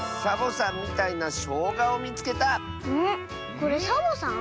これサボさん？